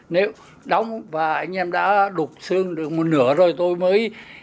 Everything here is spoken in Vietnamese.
nếu đóng và anh em đã đục xương được một nửa rồi tôi mới